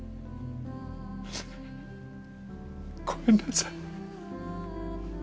ごめんなさい。